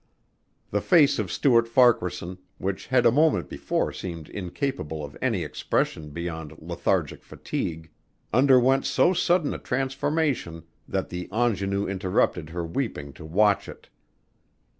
The face of Stuart Farquaharson, which had a moment before seemed incapable of any expression beyond lethargic fatigue, underwent so sudden a transformation that the ingenue interrupted her weeping to watch it.